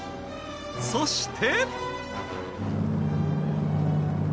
そして。